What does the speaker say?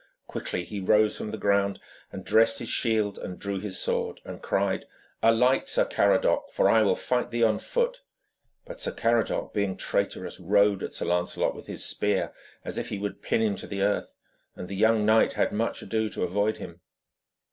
Quickly he rose from the ground, and dressed his shield and drew his sword, and cried, 'Alight, Sir Caradoc, for I will fight thee on foot.' But Sir Caradoc, being traitorous, rode at Sir Lancelot with his spear, as if he would pin him to the earth, and the young knight had much ado to avoid him.